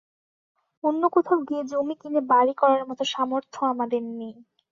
অন্য কোথাও গিয়ে জমি কিনে বাড়ি করার মতো সামর্থ্য আমাদের নেই।